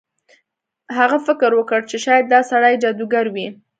هغه فکر وکړ چې شاید دا سړی جادوګر وي.